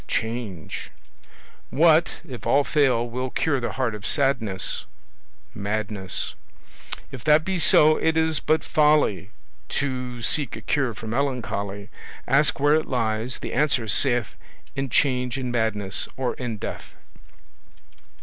Change. What, if all fail, will cure the heart of sadness? Madness. If that be so, it is but folly To seek a cure for melancholy: Ask where it lies; the answer saith In Change, in Madness, or in Death.